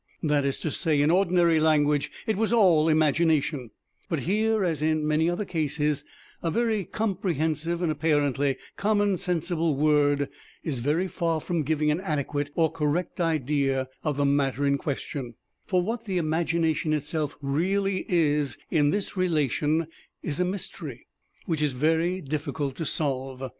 That is to say, in ordinary language, it was "all imagination" but here, as in many other cases, a very comprehensive and apparently common sensible word is very far from giving an adequate or correct idea of the matter in question for what the imagination itself really is in this relation is a mystery which is very difficult to solve.